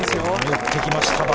寄ってきましたよ。